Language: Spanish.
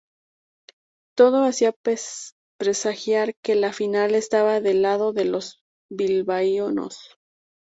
Todo hacía presagiar que la final estaba del lado de los bilbaínos.